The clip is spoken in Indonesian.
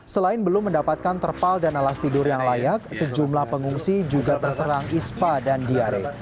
selain belum mendapatkan terpal dan alas tidur yang layak sejumlah pengungsi juga terserang ispa dan diare